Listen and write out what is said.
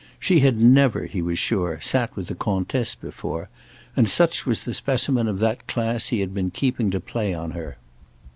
She had never, he was sure, sat with a "Comtesse" before, and such was the specimen of that class he had been keeping to play on her.